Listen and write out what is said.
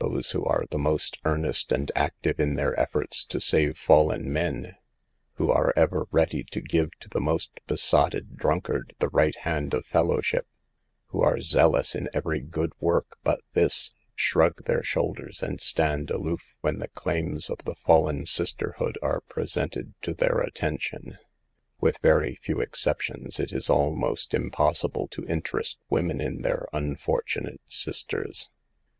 Those who are the most earnest and active in their efforts to save fallen men, who are ever ready to give to the most besotted drunkard the right hand of fellowship, who are zealous in every good work but this, shrug their shoulders and stand aloof when the claims of the fallen sisterhood are presented to their attention. With very few exceptions, it is almost impossible to interest women in their unfortunate sisters.